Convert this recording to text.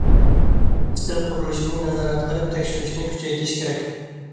ئىستىل قۇرۇلۇشىنى نازارەت قىلىپ تەكشۈرۈشنى كۈچەيتىش كېرەك.